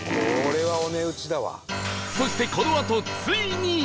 そしてこのあとついに！